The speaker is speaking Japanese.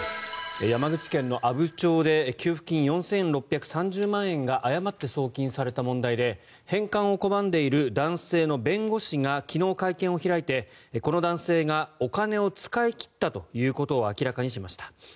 山口県阿武町で給付金４６３０万円が誤って送金された問題で返還を拒んでいる男性の弁護士が昨日、会見を開いてこの男性がお金を使い切ったということを明らかにしました。